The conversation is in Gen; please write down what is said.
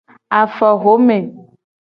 Afoxome.